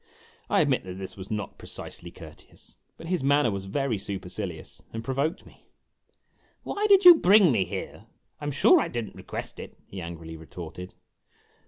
" I admit that this was not precisely courteous, but his manner was very supercilious and provoked me. "Why did you bring me here? I am sure I did n't request it," he angrily retorted.